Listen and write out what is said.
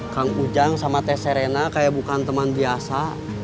kang ujang sama tes serena kayak bukan teman biasa